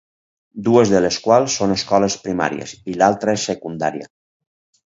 Dues de les quals són escoles primàries i l'altra és secundària.